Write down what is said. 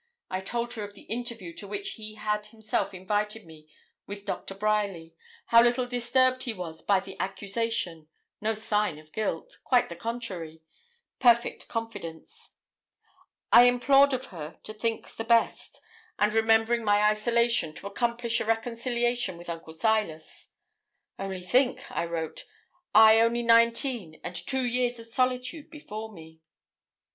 I told her of the interview to which he had himself invited me with Dr. Bryerly; how little disturbed he was by the accusation no sign of guilt; quite the contrary, perfect confidence. I implored of her to think the best, and remembering my isolation, to accomplish a reconciliation with Uncle Silas. 'Only think,' I wrote, 'I only nineteen, and two years of solitude before me.